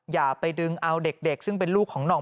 อย่าไปดึงเอาเด็กซึ่งเป็นลูกของห่อง